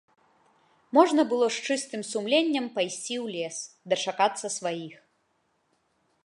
Можна было з чыстым сумленнем пайсці ў лес, дачакацца сваіх.